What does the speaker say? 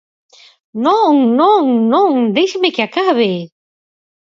Non, non, non, déixeme que acabe.